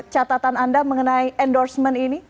catatan anda mengenai endorsement ini